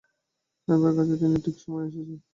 হানিফার কাছে তিনি ঠিক সময়েই এসেছেন।